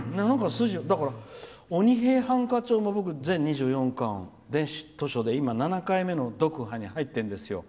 「鬼平犯科帳」も僕、全２４巻、電子図書で７回目の読破に入ってるんですよ。